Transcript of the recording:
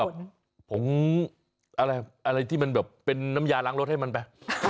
โดนฟองน้ำกับผงอะไรที่มันแบบเป็นน้ำยาล้างรถให้มันไป